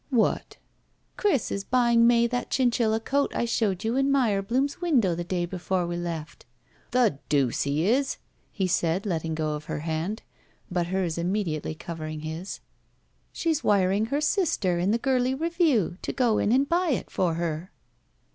"What?" "Chris is bujdng May that chinchilla coat I showed you in Meyerbloom's window the day before we left." "The deuce he is!" he said, letting go of her hand, but hers immediately covering his. "She's wiring her sister in the 'Girlie Revue' to go in and buy it for her."